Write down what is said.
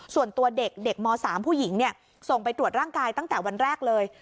ส่วนตัวเด็กเด็กม๓ผู้หญิงส่งไปตรวจร่างกายตั้งแต่วันแรกเลย